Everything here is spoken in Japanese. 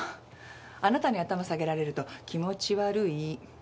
あなたに頭下げられると気持ち悪い。